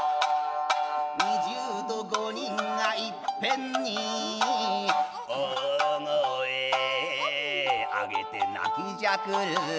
「二十と五人がいっぺんに大声あげて泣きじゃくる」